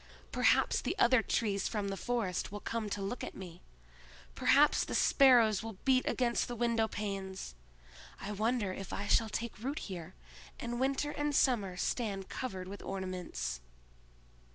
Perhaps the other trees from the forest will come to look at me! Perhaps the sparrows will beat against the windowpanes! I wonder if I shall take root here, and winter and summer stand covered with ornaments!"